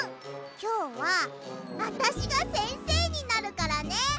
きょうはあたしがせんせいになるからね。